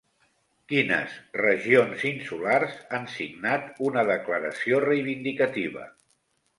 Quines regions insulars han signat una declaració reivindicativa?